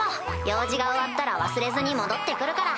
用事が終わったら忘れずに戻って来るから。